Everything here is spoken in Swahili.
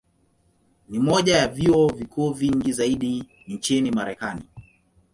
Ni moja ya vyuo vikuu vingi zaidi nchini Marekani.